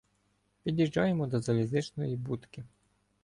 Під'їжджаємо до залізничної будки.